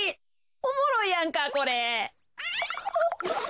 おもろいやんかこれ。